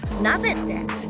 なぜって？